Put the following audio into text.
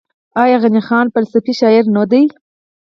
آیا غني خان فلسفي شاعر نه دی؟